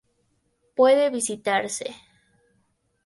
Puede visitarse.